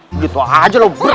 begitu aja lo berata